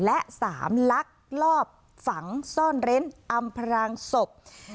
และ๓ลักลอบฝังซ่อนเร้นอำพรางศพ